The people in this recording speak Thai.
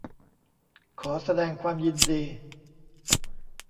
ขอแสดงความยินดี